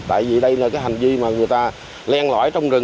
tại vì đây là cái hành vi mà người ta len lõi trong rừng